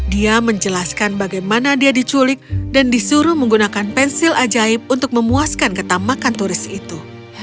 dia menjelaskan bagaimana dia diculik dan disuruh menggunakan pensil ajaib untuk memuaskan ketamakan turis itu